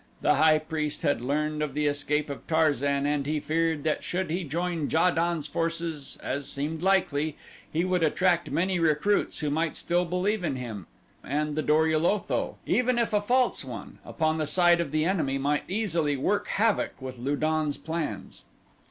The high priest had learned of the escape of Tarzan and he feared that should he join Ja don's forces, as seemed likely, he would attract many recruits who might still believe in him, and the Dor ul Otho, even if a false one, upon the side of the enemy might easily work havoc with Lu don's plans.